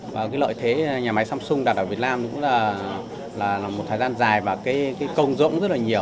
và cái lợi thế nhà máy samsung đặt ở việt nam cũng là một thời gian dài và cái công dụng rất là nhiều